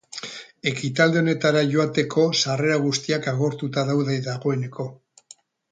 Ekitaldi honetara joateko sarrera guztiak agortuta daude dagoeneko.